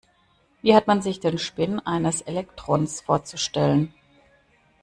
Wie hat man sich den Spin eines Elektrons vorzustellen?